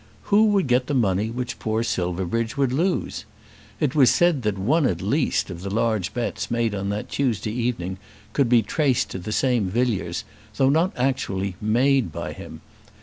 Who would get the money which poor Silverbridge would lose? It was said that one at least of the large bets made on that Tuesday evening could be traced to the same Villiers though not actually made by him.